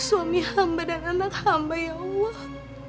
suami hamba dan anak hamba ya allah